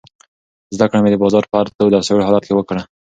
زده کړه مې د بازار په هر تود او سوړ حالت کې وکړه.